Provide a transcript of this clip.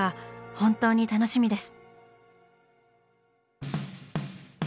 本当に楽しみです！